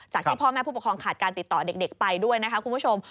ที่พ่อแม่ผู้ปกครองขาดการติดต่อเด็กไปด้วยนะคะคุณผู้ชม